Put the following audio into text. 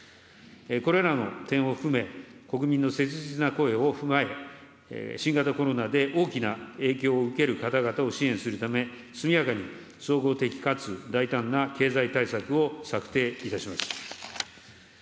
これらの点を含め、国民の切実な声を踏まえ、新型コロナで大きな影響を受ける方々を支援するため、速やかに総合的かつ大胆な経済対策を策定いたします。